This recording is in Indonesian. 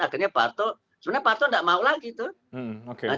akhirnya pak arto sebenarnya pak arto tidak mau lagi tuh